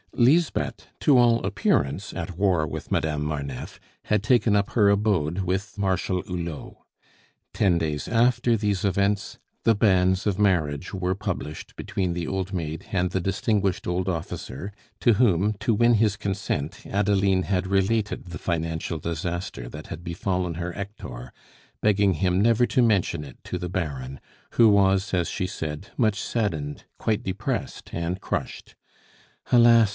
Lisbeth, to all appearance at war with Madame Marneffe, had taken up her abode with Marshal Hulot. Ten days after these events, the banns of marriage were published between the old maid and the distinguished old officer, to whom, to win his consent, Adeline had related the financial disaster that had befallen her Hector, begging him never to mention it to the Baron, who was, as she said, much saddened, quite depressed and crushed. "Alas!